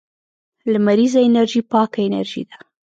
لمریزه انرژي پاکه انرژي ده